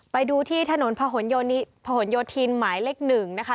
ไปดูที่ถนนผนโยธินหมายเลข๑นะคะ